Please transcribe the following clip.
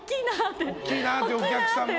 大きいなってお客さんも。